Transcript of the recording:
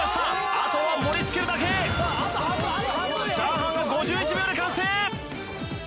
あとは盛りつけるだけチャーハンは５１秒で完成